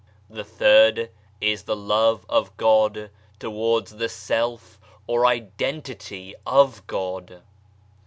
The third is the love of God towards the Self or Identity of God.